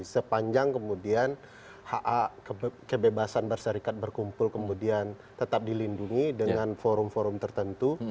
sepanjang kemudian hak hak kebebasan bersyarikat berkumpul kemudian tetap dilindungi dengan forum forum tertentu